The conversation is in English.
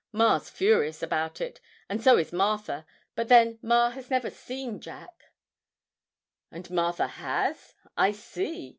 Ma's furious about it, and so is Martha; but then, ma has never seen Jack ' 'And Martha has? I see!'